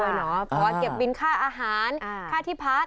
เพราะว่าเก็บบินค่าอาหารค่าที่พัก